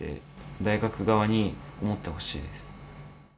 大学側に思ってほしいです。